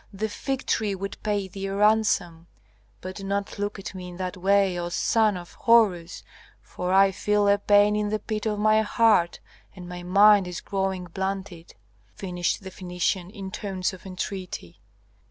the fig tree would pay thee a ransom. But do not look at me in that way, O son of Horus, for I feel a pain in the pit of my heart and my mind is growing blunted," finished the Phœnician, in tones of entreaty.